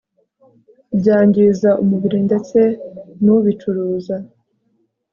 byangiza umubiri ndetse nubicuruza